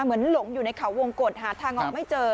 หลงอยู่ในเขาวงกฎหาทางออกไม่เจอ